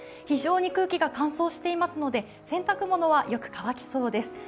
非常に空気が乾燥していますので、洗濯物はよく乾きそうです。